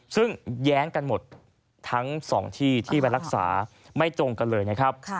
ซึ่งแย้งกันหมดทั้ง๒ที่ที่ไปรักษาไม่ตรงกันเลยนะครับ